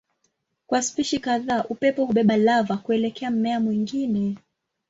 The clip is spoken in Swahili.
Kwa spishi kadhaa upepo hubeba lava kuelekea mmea mwingine.